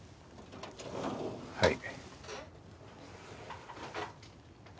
はい。